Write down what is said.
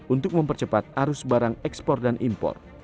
untuk mempercepat arus barang ekspor dan impor